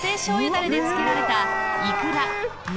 だれで漬けられたいくらめかぶ］